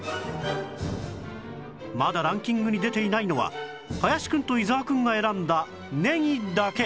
まだランキングに出ていないのは林くんと伊沢くんが選んだねぎだけ